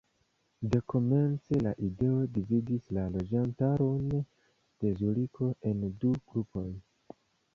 Dekomence la ideo dividis la loĝantaron de Zuriko en du grupoj.